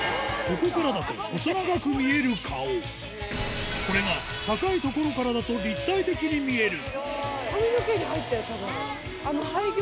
ここからだとこれが高い所からだと立体的に見えるたぶんあれ。